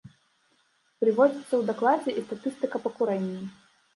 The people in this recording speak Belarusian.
Прыводзіцца ў дакладзе і статыстыка па курэнні.